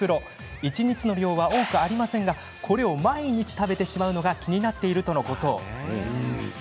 一日の量は多くありませんがこれを毎日、食べてしまうのが気になっているとのこと。